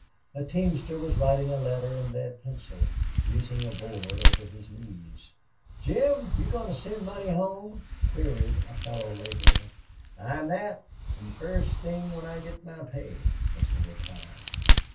A teamster was writing a letter in lead pencil, using a board over his knees. "Jim, you goin' to send money home?" queried a fellow laborer. "I am that, an' first thing when I get my pay," was the reply.